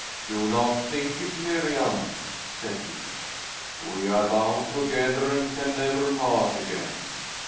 "Do not think it, Miriam," said he; "we are bound together, and can never part again."